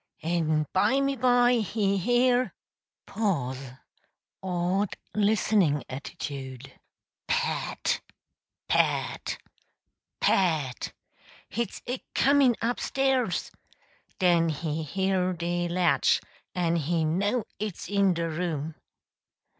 En bimeby he hear (pause awed, listening attitude) pat pat pat hit's acomin' up stairs! Den he hear de latch, en he know it's in de room!